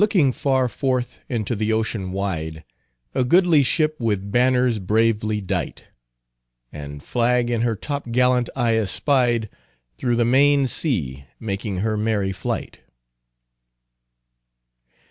"Looking far forth into the ocean wide, A goodly ship with banners bravely dight, And flag in her top gallant I espide, Through the main sea making her merry flight."